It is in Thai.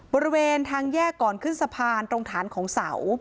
บริเวณทางแยกก่อนขึ้นสะพานตรงฐานของเสา